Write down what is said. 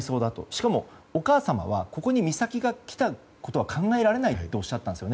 しかもお母様はここに美咲が来たことは考えられないとおっしゃったんです。